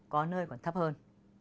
có nơi còn thấp hơn